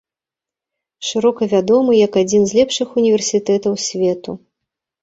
Шырока вядомы як адзін з лепшых універсітэтаў свету.